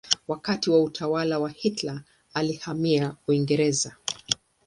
Wakati wa utawala wa Hitler alihamia Uingereza.